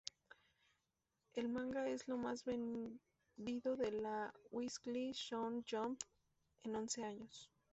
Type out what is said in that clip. El manga es lo más vendido de la "Weekly Shōnen Jump" en once años.